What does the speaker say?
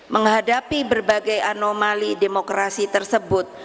menghadapi berbagai anomali demokrasi tersebut